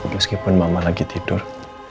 meskipun mama lagi tidur